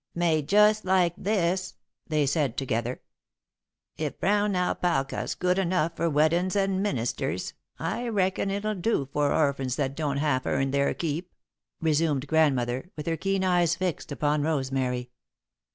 "Made just like this," they said, together. "If brown alpaca's good enough for weddin's and ministers, I reckon it'll do for orphans that don't half earn their keep," resumed Grandmother, with her keen eyes fixed upon Rosemary.